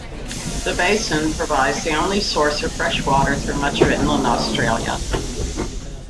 The basin provides the only source of fresh water through much of inland Australia.